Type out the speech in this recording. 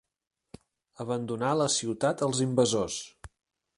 Abandonar la ciutat als invasors.